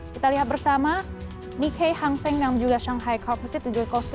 kita lihat bersama nikkei hang seng dan juga shanghai corp